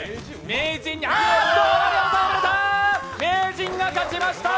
名人が勝ちました！